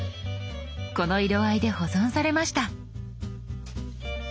この色合いで保存されました。